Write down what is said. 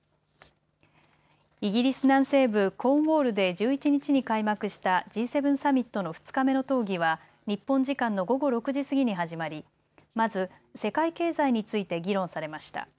イギリス南西部コーンウォールで１１日に開幕したＧ７サミットの２日目の討議は日本時間の午後６時過ぎに始まりまず、世界経済について議論されました。